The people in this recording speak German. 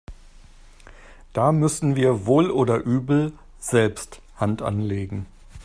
Da müssen wir wohl oder übel selbst Hand anlegen.